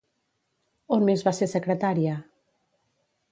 On més va ser secretària?